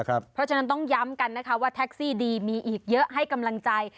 เพราะฉะนั้นต้องย้ำกันนะคะว่าแท็กซี่ดีมีอีกเยอะให้กำลังใจ